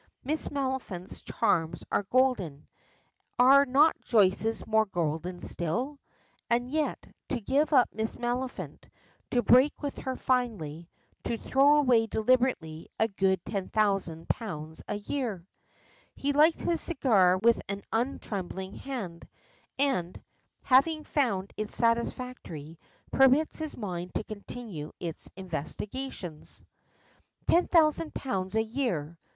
Miss Maliphant's charms are golden are not Joyce's more golden still? And yet, to give up Miss Maliphant to break with her finally to throw away deliberately a good £10,000 a year! He lights his cigar with an untrembling hand, and, having found it satisfactory, permits his mind to continue its investigations. Ten thousand pounds a year!